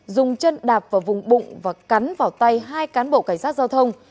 dùng chân đạp vào vùng bụng và cắn vào tay hai cán bộ cảnh sát giao thông